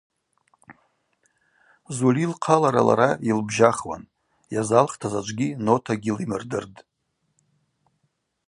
Зульи лхъа лара-лара йылбжьахуан, йазалхта заджвгьи нота гьлимырдыртӏ.